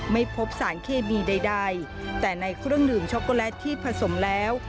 ไม่พบสารเคมีใดแต่ในเครื่องดื่มช็อกโกแลตที่ผสมแล้ว